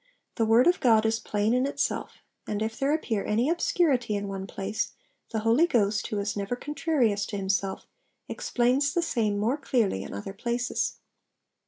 The word of God is plain in itself; and if there appear any obscurity in one place, the Holy Ghost, who is never contrarious to Himself, explains the same more clearly in other places.'